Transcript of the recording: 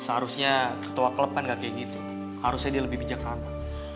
harusnya setua klub harusnya lebih bijaksana